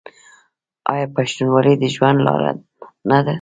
آیا پښتونولي د ژوند لاره نه ده؟